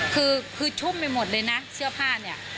คือคือชุ่มไปหมดเลยนะเสื้อผ้าเนี่ย